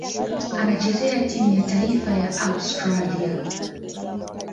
Anachezea timu ya taifa ya Australia.